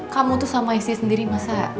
kamu tuh sama istri sendiri masa